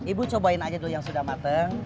ibu cobain aja dulu yang sudah matang